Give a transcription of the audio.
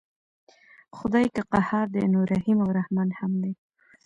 خدای که قهار دی نو رحیم او رحمن هم دی.